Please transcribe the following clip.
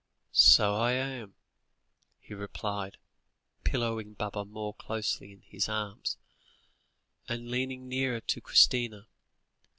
"So I am," he replied, pillowing Baba more closely in his arms, and leaning nearer to Christina.